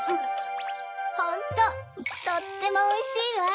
ホントとってもおいしいわ。